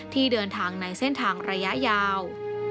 ที่เดินทางในเส้นทางระยะยาว